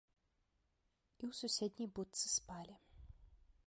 І ў суседняй будцы спалі.